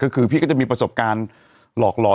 ก็คือพี่ก็จะมีประสบการณ์หลอกหลอน